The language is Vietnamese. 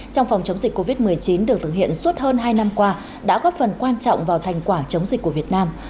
trong phòng chống dịch covid một mươi chín được thực hiện suốt hơn hai năm qua đã góp phần quan trọng vào thành quả chống dịch của việt nam